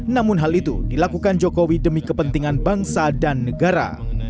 namun hal itu dilakukan jokowi demi kepentingan bangsa dan negara